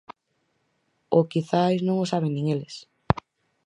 Ou quizais non o saben nin eles.